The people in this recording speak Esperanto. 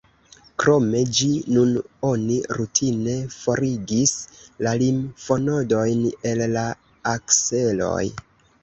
Krome ĝis nun oni rutine forigis la limfonodojn el la akseloj.